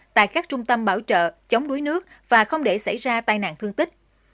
tại các trung tâm bảo trợ chống đuối nước và không để xảy ra tai nạn thương tích